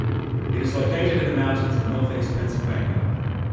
It is located in the mountains of northeast Pennsylvania.